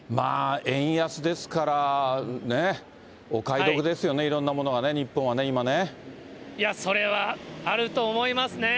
円安ですから、ね、お買い得ですよね、いろんなものがね、日本はね、それはあると思いますね。